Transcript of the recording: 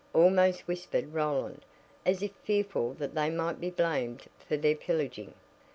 almost whispered Roland, as if fearful that they might be blamed for their pillaging.